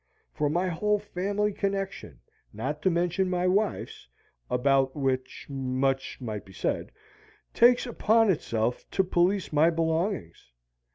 For my whole family connection not to mention my wife's (about which much might be said) takes upon itself to police my belongings.